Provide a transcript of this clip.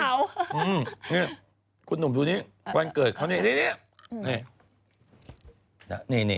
นี่คุณหนุ่มดูนี่วันเกิดเขานี่